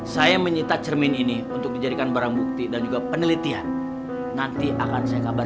saya menyita cermin ini untuk dijadikan barang bukti dan juga penelitian nanti akan saya kabarkan